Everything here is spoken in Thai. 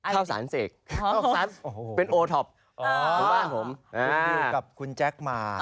ข้าวสารเสกข้าวสารโอ้โหเป็นอ๋อผมอ่าดิวกับคุณแจ็คมา